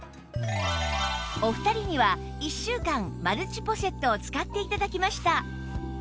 お二人には１週間マルチポシェットを使って頂きました